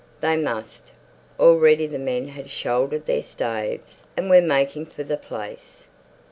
They must. Already the men had shouldered their staves and were making for the place.